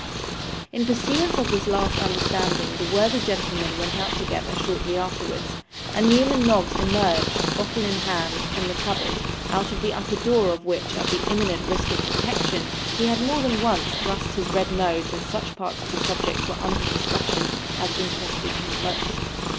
In pursuance of this last understanding the worthy gentlemen went out together shortly afterwards, and Newman Noggs emerged, bottle in hand, from the cupboard, out of the upper door of which, at the imminent risk of detection, he had more than once thrust his red nose when such parts of the subject were under discussion as interested him most.